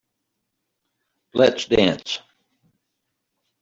Let's dance.